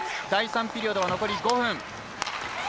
第３ピリオド、残り５分。